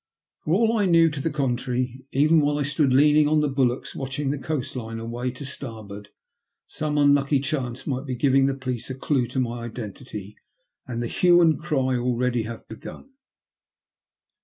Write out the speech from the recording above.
For all I knew to the contrary, even while I stood leaning on the bul warks watching the coast line away to starboard, some unlucky chance might be giving the police a clue to my identity, and the hue and cry already have begun.